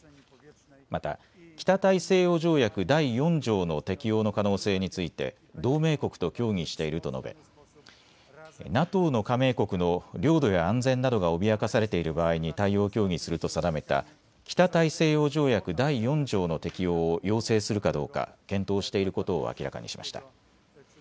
また北大西洋条約第４条の適用の可能性について同盟国と協議していると述べ、ＮＡＴＯの加盟国の領土や安全などが脅かされている場合に対応を協議すると定めた北大西洋条約第４条の適用を要請するかどうか検討していることを明らかにしました。